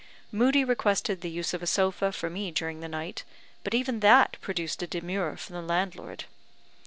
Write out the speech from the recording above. Moodie requested the use of a sofa for me during the night; but even that produced a demur from the landlord.